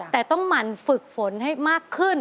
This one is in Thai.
แต่ต้องหมั่นฝึกฝนให้มากขึ้น